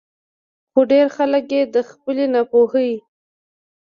خو ډېر خلک ئې د خپلې نا پوهۍ